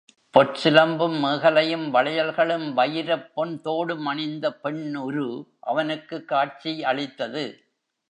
பொற் சிலம்பும், மேகலையும், வளையல்களும், வயிரப் பொன் தோடும் அணிந்த பெண் உரு அவனுக்குக் காட்சி அளித்தது.